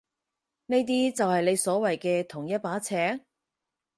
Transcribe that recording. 呢啲就係你所謂嘅同一把尺？